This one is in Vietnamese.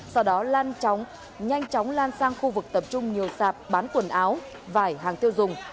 sau đó lan chóng nhanh chóng lan sang khu vực tập trung nhiều sạp bán quần áo vải hàng tiêu dùng